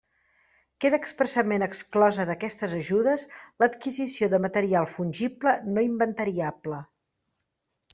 Queda expressament exclosa d'aquestes ajudes l'adquisició de material fungible no inventariable.